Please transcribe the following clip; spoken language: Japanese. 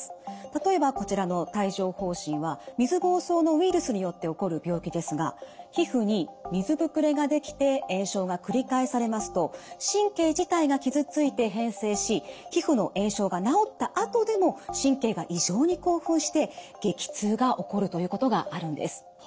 例えばこちらの帯状ほう疹は水ぼうそうのウイルスによって起こる病気ですが皮膚に水ぶくれが出来て炎症が繰り返されますと神経自体が傷ついて変性し皮膚の炎症が治ったあとでも神経が異常に興奮して激痛が起こるということがあるんです。